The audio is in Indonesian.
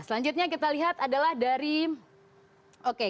selanjutnya kita lihat adalah dari oke